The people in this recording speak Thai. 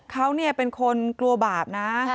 เขาเป็นคนกลัวบาปนะ